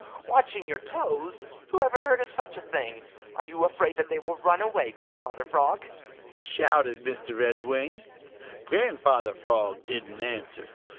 Ho, ho, ho! Watching your toes! Who ever heard of such a thing? Are you afraid that they will run away, Grandfather Frog?" shouted Mr. Redwing. Grandfather Frog didn't answer.